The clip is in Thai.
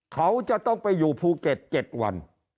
เขาจะต้องไปอยู่ภูเก็ต๗วัน